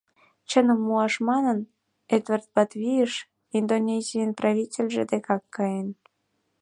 Чыным муаш манын, Эдвард Батавийыш, Индонезийын правительже декак каен.